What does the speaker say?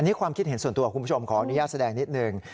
นี่ความคิดเห็นส่วนตัวคุณผู้ชมขออนุญาตแสดงนิดหนึ่ง